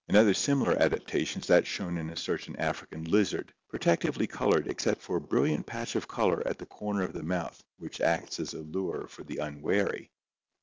Another similar adaptation is that shown in a cer tain African lizard, protectively colored except for a brilliant patch of color at the corner of the mouth which acts as a lure for the unwary.